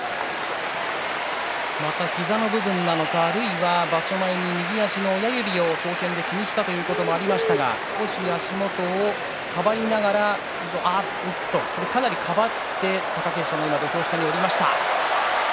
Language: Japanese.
また膝の部分なのかあるいは場所前に右足の親指を総見で気にしたということもありましたが少し足元をかばいながらかなりかばって貴景勝が土俵下に下りました。